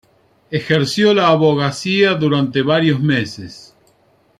Ejerció la abogacía durante varios meses.